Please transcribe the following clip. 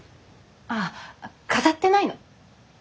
ああ飾ってないの。